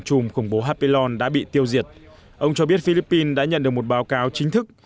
chùm khủng bố happelon đã bị tiêu diệt ông cho biết philippines đã nhận được một báo cáo chính thức